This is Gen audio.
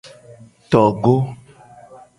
Togo.